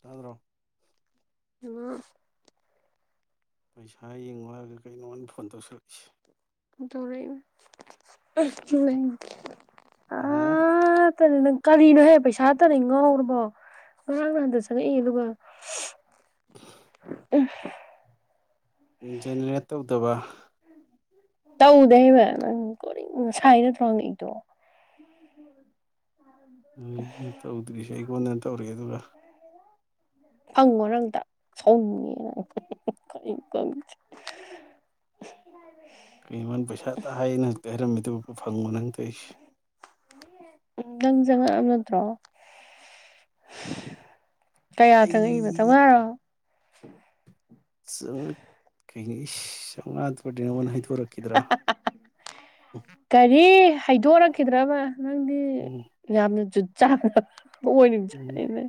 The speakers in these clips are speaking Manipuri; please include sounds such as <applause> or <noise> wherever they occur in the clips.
ꯇꯗ꯭ꯔꯣ ꯑꯃ ꯄꯩꯁꯥ ꯌꯦꯡꯂꯑꯒ ꯀꯩꯅꯣꯅ ꯐꯣꯟ ꯇꯧꯁꯤꯜꯂꯛꯏꯁꯦ ꯇꯧꯔ ꯍꯥꯥ ꯠꯇꯅꯦ ꯅꯪ ꯀꯔꯤꯅꯣꯍꯦ ꯄꯩꯁꯥ ꯇꯅꯤ ꯉꯥꯎꯔꯕꯣ ꯉꯔꯥꯡ ꯅ ꯍꯟꯗ ꯁꯪꯉꯛꯏ ꯑꯗꯨꯒ ꯑ ꯖꯦꯅꯦꯔꯦꯠ ꯇꯧꯗꯕ ꯇꯧꯗꯩꯕ ꯅꯪ ꯀꯣ ꯁꯥꯏꯅꯠꯇ꯭ꯔꯣꯉꯛꯏꯗꯣ ꯑꯩꯅ ꯇꯧꯗ꯭ꯔꯤꯁꯦ ꯑꯩꯉꯣꯟꯗꯅ ꯇꯧꯔꯤꯦ ꯑꯗꯨꯒ ꯐꯪꯉ ꯅꯪꯗ ꯁꯧꯅꯤꯡꯉꯦꯅ ꯈꯪ ꯈꯪꯁꯦ <unintelligible> <unintelligible> ꯀꯩꯣꯕ ꯄꯩꯁꯥ ꯇꯥ ꯍꯥꯏꯌꯦꯅ ꯍꯛꯇ ꯍꯥꯏꯔꯝꯃꯤꯗꯨ ꯐꯪꯉꯣ ꯅ ꯍꯪꯛꯇꯛ ꯑꯩꯁꯦ ꯎꯝ ꯅꯪ ꯆꯪꯉꯛꯑꯝ ꯅꯠꯇ꯭ꯔꯣ ꯀꯌꯥ ꯆꯪꯉꯛꯏꯕ ꯆ ꯑꯩ ꯉꯔꯣ ꯆ ꯀꯅꯤ ꯁꯗ ꯍꯩꯗ ꯋꯥꯔꯛꯗ꯭ꯔꯥ ꯍꯥꯏꯩꯗꯣꯔꯛꯈꯤꯗ꯭ꯔꯕ ꯅꯪꯗꯤ ꯎꯝ ꯌꯥꯝꯅ ꯖꯨꯠ ꯆꯥꯕ ꯑꯣꯏꯅꯤ ꯆ ꯎꯝ ꯏꯟꯅ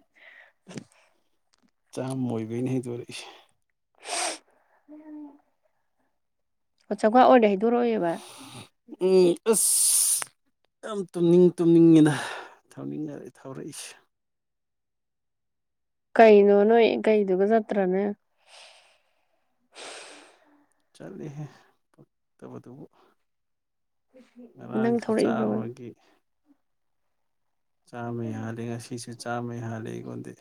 ꯆꯥ ꯑꯣꯏꯕꯩꯩꯅ ꯍꯩꯗꯣꯔꯛꯏꯁꯦ ꯎꯝ ꯑꯣ ꯆꯧꯒ ꯑꯣꯏꯅ ꯍꯥꯏꯩꯗꯣꯔꯛꯑꯣꯏꯦꯕ ꯎꯝ ꯑꯁ ꯌꯥꯝ ꯇꯨꯝꯅꯤꯡ ꯇꯨꯝꯅꯤꯡꯉꯤꯅ ꯊꯧꯅꯤꯡꯉ ꯊꯧꯔꯛꯏꯁꯦ ꯀꯩꯅꯣ ꯅꯣꯏ ꯀꯩꯗꯨꯒ ꯆꯠꯇ꯭ꯔꯅꯦ ꯆꯂꯦꯦ ꯐꯛꯇ ꯅꯪ ꯉꯔꯥꯡꯁꯨ ꯊꯧꯔꯛꯏꯕ꯭ꯔꯕ ꯆꯥꯎꯥꯕꯒꯤ ꯆꯥꯝꯃ ꯍꯥꯂꯦ ꯉꯁꯤꯁꯨꯦ ꯆꯥꯝꯃꯩ ꯍꯥꯜꯂꯦ ꯑꯩꯉꯣꯟꯗꯤ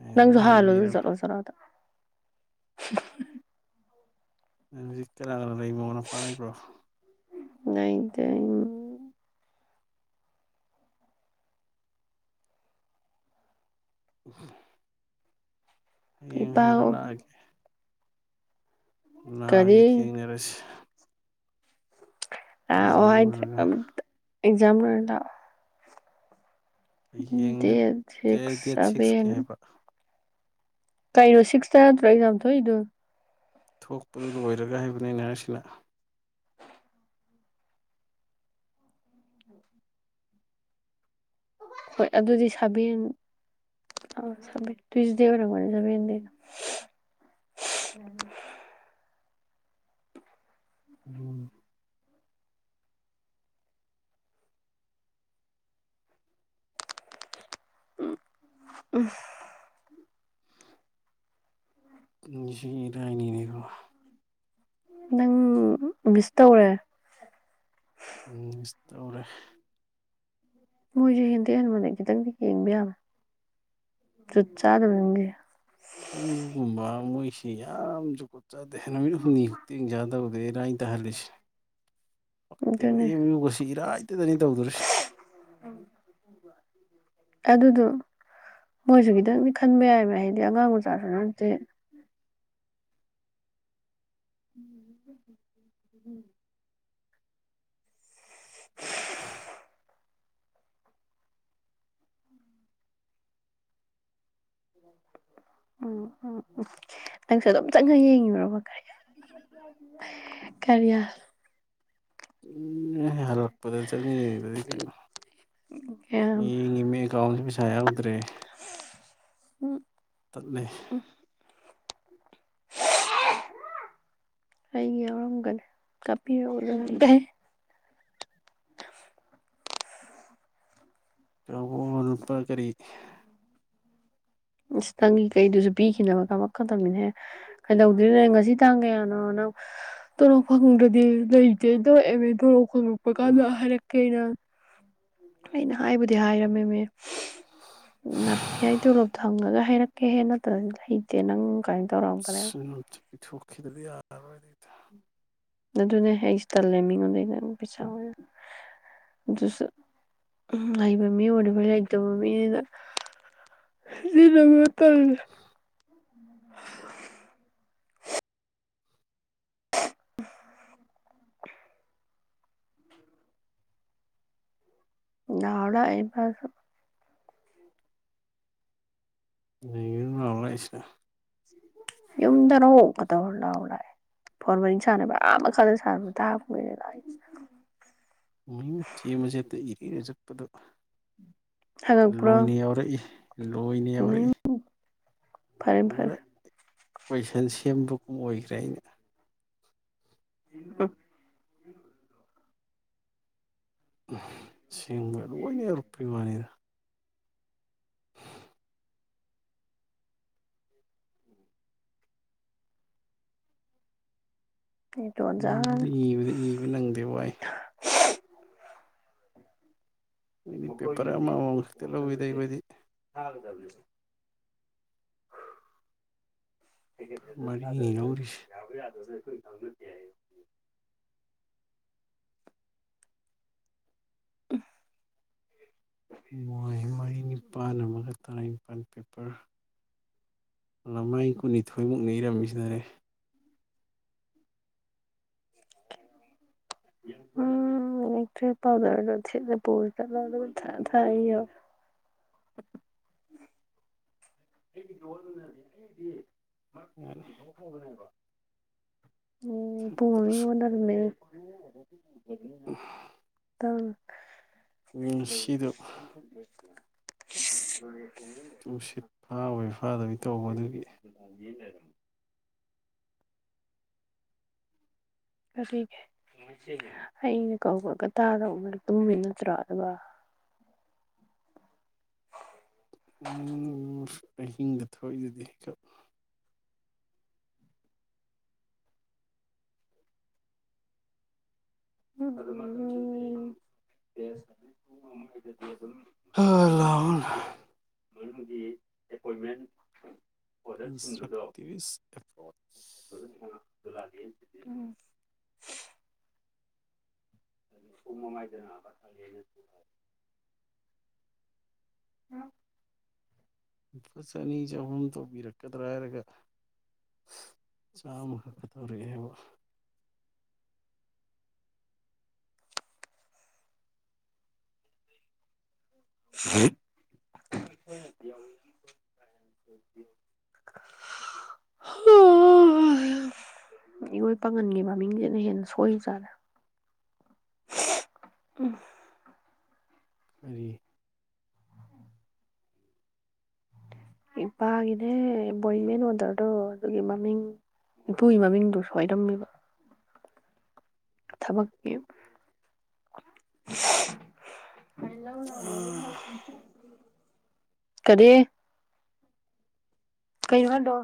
ꯑꯩ ꯑꯗꯨꯝ ꯅꯪꯁꯨ ꯍꯟꯕꯤꯔꯕꯅꯦ ꯍꯜꯣꯖꯔꯣꯖꯔꯗ ꯍꯧꯖꯤꯛ ꯀꯅꯥ ꯀꯅꯥ ꯂꯩꯕꯣꯅꯄꯥ ꯂꯩꯕ꯭ꯔꯣ ꯑ ꯇ ꯎ ꯍꯌꯦꯡ ꯍꯥꯏꯔ ꯏꯄꯥ ꯂꯥꯛꯑꯒꯦ ꯅ ꯌ ꯀꯔꯤ ꯀꯩꯅꯤꯌꯔ ꯑꯁ ꯑ ꯍꯥꯏꯗ ꯂꯣꯏꯔꯒ ꯑꯦꯛꯖꯥꯜ ꯍꯌꯦꯡ ꯗꯦ ꯅꯠꯇꯦ ꯁꯤꯛꯁ ꯗꯦꯠ ꯁꯤꯛꯁꯀꯤ ꯁꯚꯦꯟ ꯍꯥꯏꯕ ꯀꯩꯅꯣ ꯁꯤꯛꯁꯇ ꯅꯠꯇ꯭ꯔꯣ ꯑꯦꯛꯖꯥꯝ ꯊꯣꯛꯏꯗꯨ ꯊꯣꯛꯄꯗꯨ ꯂꯣꯏꯔꯒ ꯍꯥꯏꯕꯅꯤꯅꯁꯤꯅ ꯍꯣꯏ ꯑꯗꯨꯗꯤ ꯁꯥꯕꯤ ꯑ ꯁ ꯇꯨꯏꯁ ꯗꯦꯧꯔ ꯃ ꯁꯃꯤꯗꯅ ꯎꯝ ꯎꯝ ꯎ ꯁꯤ ꯏꯔꯥꯏꯅꯤꯅꯦꯕ ꯅꯪ ꯃꯤꯁ ꯇꯧꯔꯦ ꯎꯝꯁꯔꯦ ꯃꯣꯏꯁꯦ ꯍꯦꯟꯇꯦ ꯍꯦꯟꯕꯅꯦ ꯈꯤꯇꯪꯗꯤ ꯌꯦꯡꯕ ꯌꯥꯕ ꯆꯥꯗꯕꯁ ꯑꯩꯁꯤ ꯌꯥꯝꯁꯨꯀꯣꯠ ꯆꯥꯗꯦ ꯅꯨꯃꯤꯠ ꯍꯨꯝꯅꯤ ꯈꯛꯇꯦꯡ ꯆꯥꯗꯕꯗ ꯑꯩꯅ ꯑ ꯇꯥꯍꯜꯂꯤꯁꯦ ꯄꯛꯇꯦꯕ ꯑꯗꯨꯅꯦ ꯑꯦꯝ ꯌꯨꯒꯁꯤ ꯏꯔꯥꯏꯇꯗꯅꯤ ꯇꯧꯗꯔꯤꯁꯤ ꯑꯗꯨꯗꯣ ꯃꯣꯏꯁꯨ ꯈꯤꯇꯪꯗꯤ ꯈꯟꯕ ꯌꯥꯏꯕ ꯍꯥꯏꯗꯤ ꯑꯉꯥꯡ ꯃꯆꯥꯁꯨ ꯅꯇꯦ ꯎꯝ <inaudible> ꯎꯝ ꯎꯝ ꯎꯝ ꯅꯪꯁꯨ ꯑꯗꯨꯝ ꯆꯪꯉ ꯌꯦꯡꯉꯤꯔꯕ ꯀꯔꯤ ꯀꯔꯤꯌꯥ ꯎꯝ ꯍꯂꯛꯄꯗ ꯆꯪ ꯌꯦꯡꯕꯗꯤ ꯀꯩꯅꯣ ꯃꯤ ꯉ ꯃ ꯑꯦꯀꯥꯎꯟꯖ ꯁꯥꯌꯥ ꯎꯗꯔꯦ ꯇꯠꯂ <inaudible> ꯑꯩꯒꯤ ꯌꯥꯎꯔꯝꯒꯅꯤ ꯀꯥꯞꯄꯤꯔꯛꯑꯣ ꯆꯄ ꯀꯔꯤ ꯑꯁ ꯅꯪꯒꯤ ꯀꯩꯗꯨꯁꯨ ꯄꯤꯈꯤꯅꯕ ꯀ ꯈꯛꯇꯕꯅꯤꯅꯍꯦ ꯀꯩꯗꯧꯗꯣꯏꯔꯤꯅꯣ ꯉꯁꯤ ꯇꯥꯡ ꯀꯌꯥꯅꯣ ꯅꯪ ꯇꯂꯣꯛ ꯐꯪꯗ꯭ꯔꯗꯤ ꯂꯩꯇꯦ ꯇꯧꯑꯃꯦ ꯈꯣꯡꯂꯛꯄ ꯀꯥꯟꯗ ꯍꯥꯏꯔꯛꯀꯦꯩꯅ ꯑꯩꯅ ꯍꯥꯏꯕꯨꯗꯤ ꯍꯥꯏꯔꯝꯃꯤꯃꯦ ꯅꯥꯄꯤ ꯍꯥꯏꯗ ꯊꯪꯉꯒ ꯍꯥꯏꯩꯔꯛꯀꯦ ꯍꯦ ꯅꯠꯇꯕ ꯍꯩꯇꯦ ꯅꯪ ꯀꯃꯥꯏꯅ ꯇꯧꯔꯝꯕꯅꯦ ꯈꯈꯤꯗꯕꯤ ꯌꯥꯔ ꯑꯣꯏ ꯑꯗꯨꯅꯦꯍ ꯑꯩꯁꯨ ꯇꯜꯂꯦ ꯃꯤꯉꯣꯟꯗꯩꯅ ꯑꯗꯨ ꯄꯩꯁꯥ ꯑꯣꯏꯔ ꯑꯗꯨꯁꯨ ꯎ ꯂꯩꯕ ꯃꯤ ꯑꯣꯏꯕ ꯂꯩꯇꯕ ꯃꯤꯅꯤꯅ ꯏ ꯅ ꯇ ꯌꯥꯅꯥꯎ ꯅ ꯂꯥꯎꯂ ꯍꯥꯏꯁꯤꯅ ꯌꯗꯅ ꯀꯗ ꯑꯣꯂ ꯑꯣꯂ ꯐꯣꯔ ꯋꯥꯔꯤ ꯁꯥꯟꯅꯕ ꯑ ꯃꯈꯜꯗ ꯁꯥꯟꯅꯕ ꯇꯥ ꯃꯆꯦ ꯃꯆꯦꯠꯇ ꯏꯔꯔ ꯆꯠꯄꯗꯣ ꯍꯪꯉꯛꯄ꯭ꯔꯣ ꯂꯣꯏꯅ ꯌꯥꯎꯔꯛꯏ ꯂꯣꯏꯅꯦ ꯑꯣꯏꯔ ꯎꯝ ꯐꯔꯦ ꯄꯨꯔ ꯐꯔꯦ ꯀꯣꯏꯁꯟ ꯁꯦꯝꯕꯒꯨꯝ ꯑꯣꯏꯈ꯭ꯔꯦ ꯑꯩꯅ <inaudible> ꯁꯦꯡꯕ ꯂꯣꯏꯅ ꯌꯎꯔꯛꯄꯩ ꯋꯥꯅꯤꯗ ꯏꯕꯗꯤ ꯇꯣꯟꯖꯥꯅ ꯏꯕꯗꯤ ꯏꯕ ꯅꯪꯗꯦ ꯋꯥꯏ ꯃꯣꯏꯗꯤ ꯄꯦꯄꯔ ꯃꯈꯣꯏꯅꯗꯤ ꯑꯃ ꯑꯃꯃꯝ ꯄꯨꯨ ꯈꯛꯇ ꯄꯨꯒꯗꯕ ꯂꯧꯋꯤꯗ ꯅꯠꯇꯦ ꯑꯩꯈꯣꯏꯗꯤ ꯊꯥꯒꯗꯕꯅꯦꯕ ꯀꯦ ꯊꯥꯗ ꯃꯔꯤꯅꯤ ꯂꯧꯔꯤꯁꯦ ꯌꯥꯕ ꯌꯥꯗꯁꯦ <unintelligible> ꯃꯔꯤ ꯅꯤꯄꯥꯜ ꯑꯃꯒ ꯇꯔꯥꯅꯤꯄꯥꯜ ꯄꯦꯄꯔ ꯂꯃꯥꯏ ꯀꯨꯟꯅꯤꯊꯣꯏꯃꯨꯛꯅ ꯏꯔꯝꯃꯤꯁꯤꯗꯔꯦ ꯎꯝ ꯄꯥꯎꯗꯔ ꯄꯣ ꯊ ꯊ <unintelligible> ꯑꯩꯒꯤꯗꯤꯅꯗꯤ ꯑꯩꯗꯤ ꯌꯥꯅꯤ ꯃꯔꯛꯇꯊꯣꯛꯈ꯭ꯔꯕꯅꯦꯕ ꯎꯝ ꯊꯨꯃꯤ ꯊꯛꯇ꯭ꯔꯁꯨ ꯍꯗꯔꯃꯦ ꯎ ꯏ ꯇꯨꯡꯁꯤꯠ ꯐꯥꯕꯣꯏ ꯐꯥꯗꯣꯏ ꯇꯧꯕ ꯑꯗꯨꯒꯤ ꯐꯔꯒꯦ ꯑꯩꯅ ꯀꯧꯕ ꯀꯇꯥꯗ ꯇꯨꯝꯃꯤ ꯅꯠꯇ꯭ꯔꯣ ꯑꯗꯨꯒ ꯎ ꯑꯍꯤꯡꯗ ꯊꯣꯛꯏꯗꯨꯗꯤ ꯍꯦꯛꯀꯞ <unintelligible> ꯍꯂꯥꯎꯅ ꯃꯅꯨꯡꯒꯤ ꯑꯦꯄꯣꯏꯟꯃꯦꯟ ꯄꯗꯔꯁꯤꯡꯕꯗꯣ ꯀꯟꯁꯇ꯭ꯔꯛꯇꯤꯚꯤꯁ ꯑꯦꯄ꯭ꯔꯣꯆ ꯑꯗꯨꯅ ꯂꯅꯤꯁꯤꯗꯤ ꯑꯗꯨꯗꯒꯤ ꯁ ꯃꯃꯥꯏꯗꯅꯕ ꯈꯪꯉꯦꯅꯅ ꯎ ꯂꯐꯨꯁꯅꯤ ꯆꯍꯨꯝ ꯇꯧꯕꯤꯔꯛꯀꯗ꯭ꯔꯥ ꯍꯥꯏꯔꯒ ꯆꯥꯎꯥꯃ ꯀ ꯇꯧꯔꯤꯦꯕ ꯍ ꯍꯝ ꯏꯔꯣꯏ ꯄꯥꯉꯟꯒꯤ ꯃꯃꯤꯡꯁꯤꯅ ꯍꯦꯟꯅ ꯁꯣꯏ ꯆꯥꯔꯦ ꯎꯝ ꯍꯥꯏꯔꯤ ꯏꯄꯥꯒꯤꯅꯦ ꯕꯣꯏꯃꯦꯦꯟ ꯑꯣꯗꯔꯗꯣ ꯑꯗꯨꯒꯤ ꯃꯃꯤꯡ ꯏꯄꯨꯒꯤ ꯃꯃꯤꯡꯗꯨ ꯁꯏꯔꯝꯃꯤꯕ ꯊꯕꯛꯌꯨ ꯎꯝ ꯀꯔꯤ ꯀꯩ ꯈꯟꯗꯣ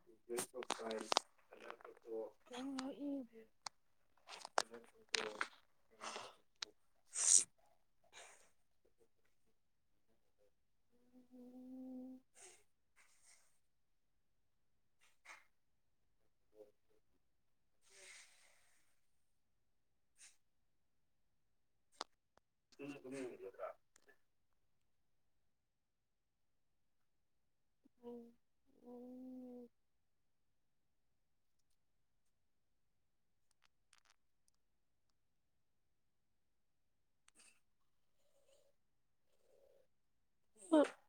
<unintelligible> <unintelligible> ꯎ ꯎ ꯭ꯔ ꯎꯝ ꯎꯝ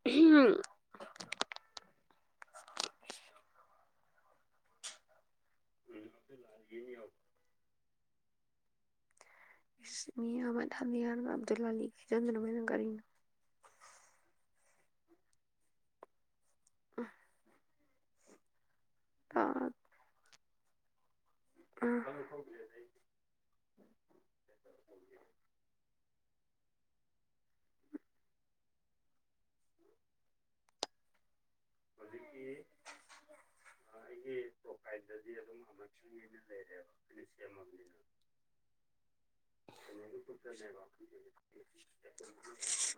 ꯎꯝ ꯎꯝ ꯂꯥ ꯌꯦ ꯃꯤꯃ ꯊꯗ ꯌꯥꯔ ꯑꯕꯗꯨꯜ ꯀꯖꯗꯅ ꯃꯅꯪ ꯀꯔꯤꯅ ꯑ ꯑꯥ ꯎꯝ ꯍꯧꯖꯤꯛꯀꯤ ꯑꯩꯒꯤ ꯑꯗꯨꯝ ꯂꯩꯔꯁꯤꯃ <unintelligible> <unintelligible>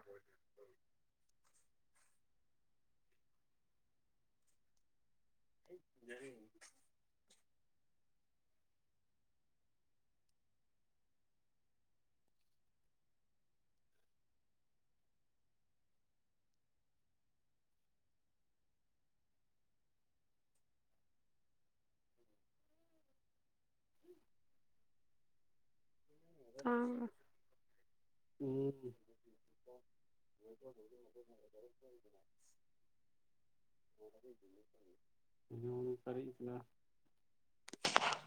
ꯔ ꯑꯥ ꯎꯝ <unintelligible> ꯃ ꯎ ꯀꯔꯤꯅꯥ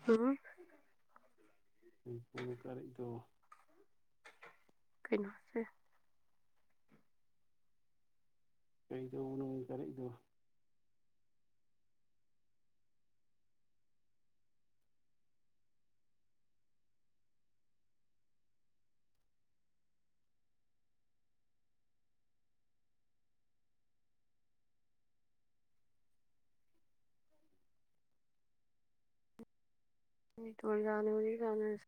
ꯑ ꯄꯨꯨꯜ ꯀꯔꯤꯩꯗ ꯀꯩꯅꯣꯁꯦ ꯀꯩꯗ ꯎꯅ ꯇꯔꯗ ꯇꯅ ꯑꯣꯏꯔꯤ ꯀꯅꯔ